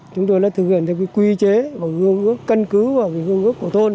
chúng tôi đã thực hiện quy chế và hương ước cân cứ và hương ước của thôn